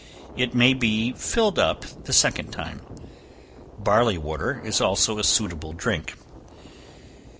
It may be filled up the second time. Barley water is also a suitable drink.